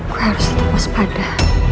gua harus liat puas pada